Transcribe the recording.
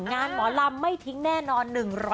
งานหมอลำไม่ทิ้งแน่นอน